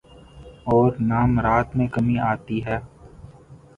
اورنہ مراعات میں کمی آتی ہے۔